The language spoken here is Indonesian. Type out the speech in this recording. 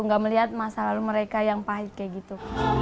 gak melihat masa lalu mereka yang pahit kayak gitu